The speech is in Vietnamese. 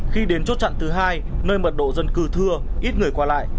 khi đến chốt chặn thứ hai nơi mật độ dân cư thưa ít người qua lại